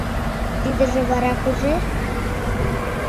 Тидыже вара кузе?